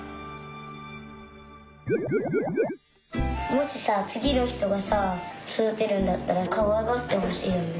もしさつぎのひとがさそだてるんだったらかわいがってほしいよね。